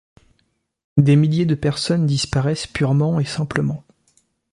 Des milliers de personnes disparaissent purement et simplement.